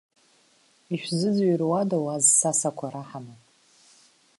Ишәзыӡырҩуада уа зсасақәа раҳан?